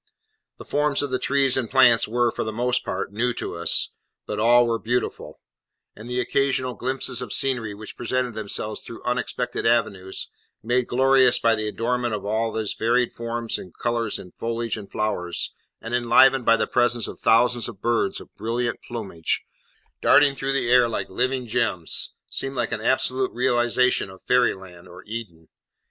The forms of the trees and plants were, for the most part, new to us, but all were beautiful; and the occasional glimpses of scenery which presented themselves through unexpected avenues, made glorious by the adornment of all these varied forms and colours in foliage and flowers, and enlivened by the presence of thousands of birds of brilliant plumage, darting through the air like living gems, seemed like an absolute realisation of fairy land or Eden.